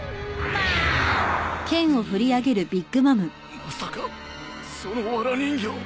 まさかそのわら人形。